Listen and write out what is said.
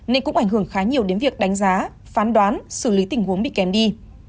nên cũng ảnh hưởng khá nhiều đến việc đánh giá phán đoán xử lý tình huống bị kém đi